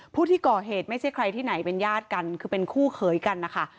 ผู้ที่ก่อเหตุไม่ใช่ใครที่ไหนเป็นญาติกันคือเป็นคู่เขยกันนะคะ